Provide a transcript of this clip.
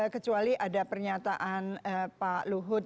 kecuali ada pernyataan pak luhut